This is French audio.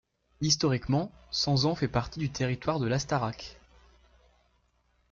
Historiquement, Sansan fait partie du territoire de l'Astarac.